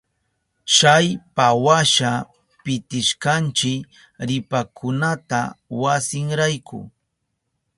Chaypawasha pitishkanchi ripakunata wasinrayku.